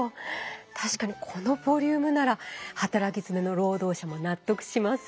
確かにこのボリュームなら働きづめの労働者も納得しますよ。